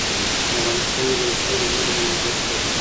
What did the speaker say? په افغانستان کې د اوښانو ډېرې منابع شته دي.